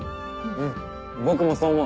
うん僕もそう思う。